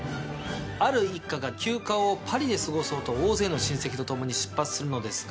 ある一家が休暇をパリで過ごそうと大勢の親戚と共に出発するのですが。